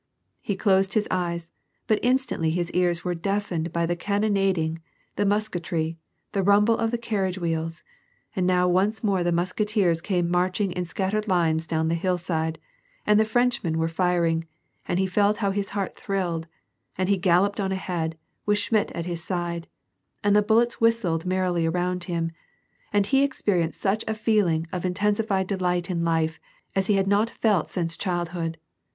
He closed his eyes, but instantly his ears were deafened by the cannonading, the musketry, the rumble of the carriage wheels, and now once more the musketeers came marching *in scattered lines down the hillside, and the Frenchmen were fir ing, and he felt how his heart thrilled, and he galloped on ahead, with Schmidt at his side, and the bullets whistled mer rily around him, and he ex})erienced such a feeling of intensi fied delight in life as he had not felt since childhood.